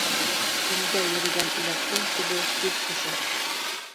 Илдә йөрөгән иләктең төбө тиҙ төшә.